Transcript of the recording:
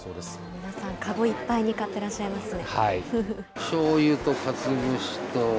皆さん、籠いっぱいに買ってらっしゃいますね。